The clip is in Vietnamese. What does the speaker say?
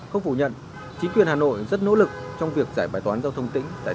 không phủ nhận chính quyền hà nội rất nỗ lực trong việc giải bài toán giao thông tỉnh